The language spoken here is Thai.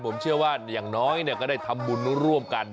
ผมเชื่อว่าอย่างน้อยก็ได้ทำบุญร่วมกัน